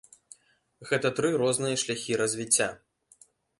Гэта тры розныя шляхі развіцця.